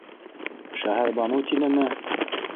Шәһәрбаныу тинеме.